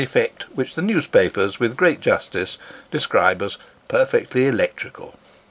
effect which the newspapers, with great justice, describe as " perfectly electrical."